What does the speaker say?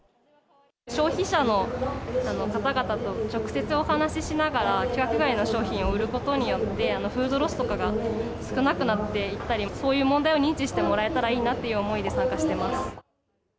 消費者の方々と直接お話ししながら、規格外の商品を売ることによって、フードロスとかが少なくなっていったり、そういう問題を認知してもらえたらいいなという思いで参加してます。